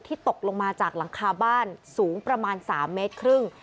ตกลงมาจากหลังคาบ้านสูงประมาณ๓เมตรครึ่ง